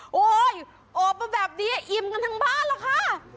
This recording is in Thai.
โอ้โหออกมาแบบนี้อิ่มกันทั้งบ้านล่ะค่ะ